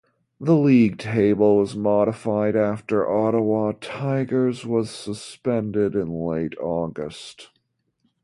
The league table was modified after Ottawa Tigers was suspended in late August.